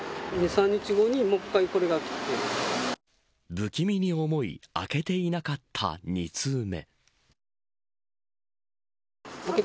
不気味に思い開けていなかった２通目。